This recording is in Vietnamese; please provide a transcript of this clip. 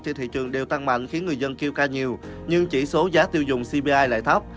trên thị trường đều tăng mạnh khiến người dân kêu ca nhiều nhưng chỉ số giá tiêu dùng cbi lại thấp